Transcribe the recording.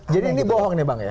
jadi ini bohong ya bang ya